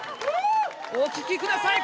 お聞きください